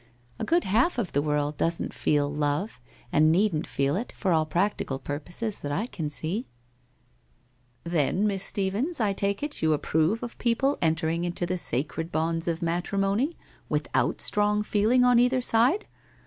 A good half of the world doesn't feel Love and needn't feel it, for all practical purposes, that I can see !'' Then, Miss Stephens, I take it, you approve of people entering into the sacred bonds of matrimony without strong feeling on either side